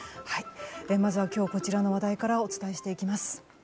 まずは今日、こちらの話題からお伝えしていきます。